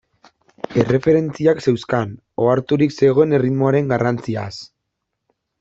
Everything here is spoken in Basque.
Erreferentziak zeuzkan, oharturik zegoen erritmoaren garrantziaz.